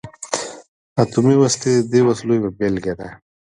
اتمي وسلې د دې وسلو یوه بیلګه ده.